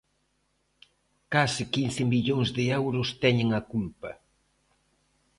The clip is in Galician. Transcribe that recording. Case quince millóns de euros teñen a culpa.